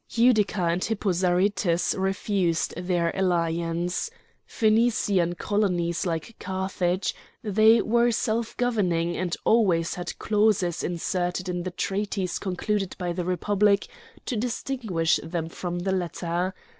Utica and Hippo Zarytus refused their alliance. Phonician colonies like Carthage, they were self governing, and always had clauses inserted in the treaties concluded by the Republic to distinguish them from the latter.